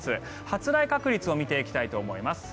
発雷確率を見ていきたいと思います。